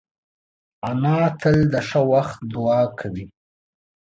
انا تل د ښه وخت دعا کوي